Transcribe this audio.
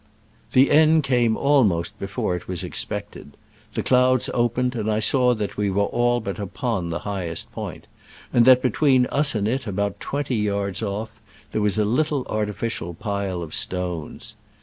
The end came almost before it was expected. The clouds opened, and I saw that we' were all but upon the high est point, and that between us and it, about twenty yards off, there was a little artificial pile of stones.